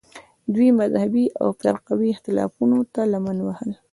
دوی مذهبي او فرقوي اختلافونو ته لمن وهل